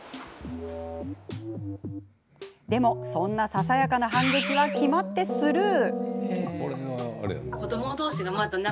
でも、そんなささやかな反撃は決まってスルー。